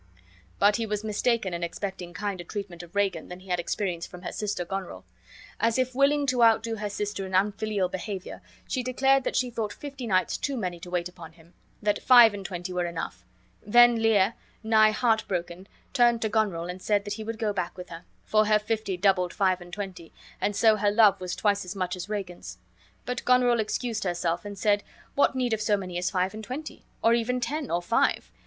But he was mistaken in expecting kinder treatment of Regan than he had experienced from her sister Goneril. As if willing to outdo her sister in unfilial behavior, she declared that she thought fifty knights too many to wait upon him; that five and twenty were enough. Then Lear, nigh heartbroken, turned to Goneril and said that he would go back with her, for her fifty doubled five and twenty, and so her love was twice as much as Regan's. But Goneril excused herself, and said, what need of so many as five and twenty? or even ten? or five?